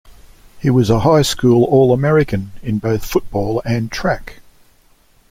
He was a high school All-American in both football and track.